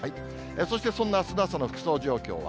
そしてそんなあすの朝の服装状況は。